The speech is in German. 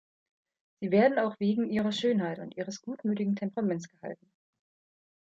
Sie werden auch wegen ihrer Schönheit und ihres gutmütigen Temperaments gehalten.